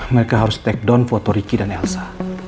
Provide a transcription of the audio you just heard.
mereka harus take down foto ricky dan elsa